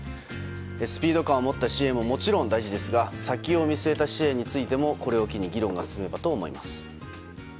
スピード感を持った支援ももちろん大事ですが先を見据えた支援についてもこれを機に議論が進めばと思います。